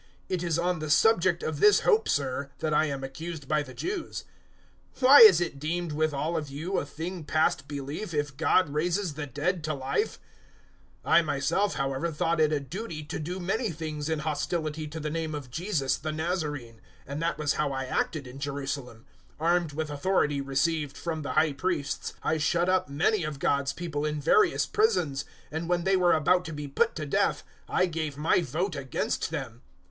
It is on the subject of this hope, Sir, that I am accused by the Jews. 026:008 Why is it deemed with all of you a thing past belief if God raises the dead to life? 026:009 "I myself, however, thought it a duty to do many things in hostility to the name of Jesus, the Nazarene. 026:010 And that was how I acted in Jerusalem. Armed with authority received from the High Priests I shut up many of God's people in various prisons, and when they were about to be put to death I gave my vote against them.